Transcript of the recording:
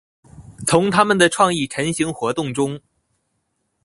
從他們的創意晨型活動中